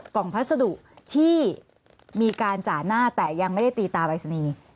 กล่องพัสดุที่มีการจ่าหน้าแต่ยังไม่ได้ตีตาไปเสนี